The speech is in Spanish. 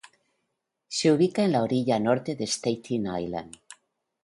Se ubica en la orilla norte de Staten Island.